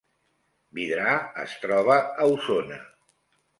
Vidrà es troba a Osona